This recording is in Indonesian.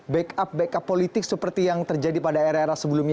backup backup politik seperti yang terjadi pada era era sebelumnya